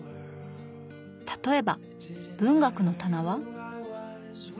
例えば文学の棚は。